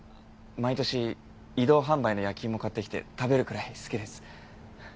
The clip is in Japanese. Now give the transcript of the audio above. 毎年移動販売の焼き芋買ってきて食べるくらい好きです。